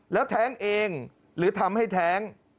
แล้วแท้งเองหรือทำให้แท้ง